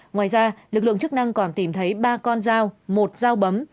ngoài ra lực lượng chức năng còn tìm thấy ba con dao một dao bấm